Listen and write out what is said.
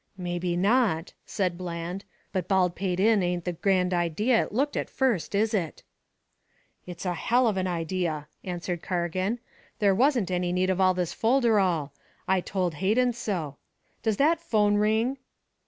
"Maybe not," said Bland. "But Baldpate Inn ain't the grand idea it looked at first, is it?" "It's a hell of an idea," answered Cargan. "There wasn't any need of all this folderol. I told Hayden so. Does that phone ring?"